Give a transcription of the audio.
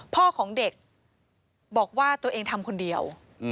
พ่อของเด็กบอกว่าตัวเองทำคนเดียว